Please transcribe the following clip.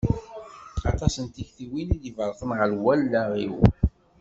Aṭas n tiktiwin i d-iberrqen ɣer wallaɣ-iw.